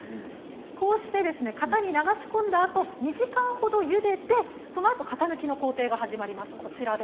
こうして型に流し込んだあと２時間ほどゆでて、そのあと型抜きの工程に入ります。